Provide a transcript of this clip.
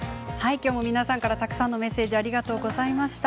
きょうも皆さんからたくさんのメッセージありがとうございました。